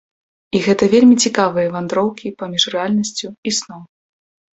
І гэта вельмі цікавыя вандроўкі паміж рэальнасцю і сном.